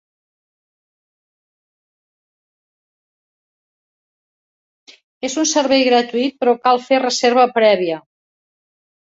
És un servei gratuït, però cal fer reserva prèvia.